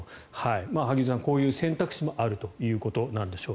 萩生田さん、こういう選択肢もあるということなんでしょう。